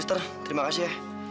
sister terima kasih ya